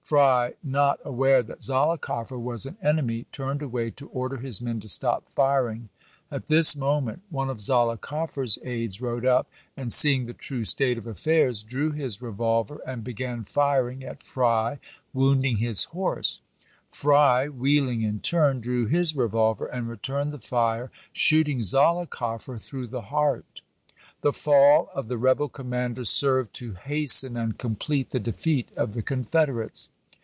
Fry, not aware that Zollicoffer was an enemy, turned away to order his men to stop firing. At this moment one of Zollicoffer's aides rode up, and, Henry M seeing the true state of affairs, drew his revolver thernin ' and began firing at Fry, wounding his horse ; Fry, . i'lKiTl'li'. wheeling in turn, drew his revolver and returned GKANT AND THOMAS IN KENTUCKY 117 the fire, shooting Zollicoffer through the heart, chap.vii. The fall of the rebel commander served to hasten and complete the defeat of the Confederates.